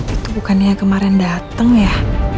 itu bukannya kemarin datang ya